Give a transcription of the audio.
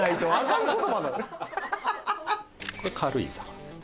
これ軽井沢です